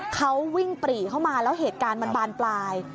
เขาวิ่งปรีเข้ามาแล้วเหตุการณ์มันบานปลาย